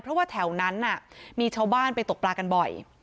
เพราะว่าแถวนั้นมีชาวบ้านไปตกปลากันบ่อย